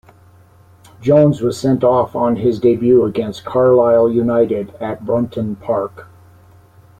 Jones' was sent-off on his debut against Carlisle United at Brunton Park.